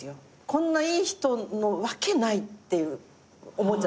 こんないい人のわけないって思っちゃって。